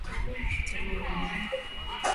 Tamaa ni mbaya